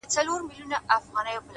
د حقیقت منل د بلوغ نښه ده,